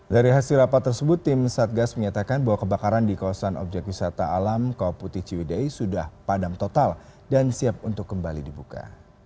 dari hasil rapat tersebut tim satgas menyatakan bahwa kebakaran di kawasan objek wisata alam kau putih ciwidei sudah padam total dan siap untuk kembali dibuka